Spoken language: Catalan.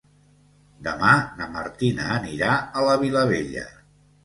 Demà na Martina anirà a la Vilavella.